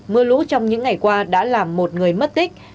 mưa lũ trong những ngày qua đã làm một người mất tích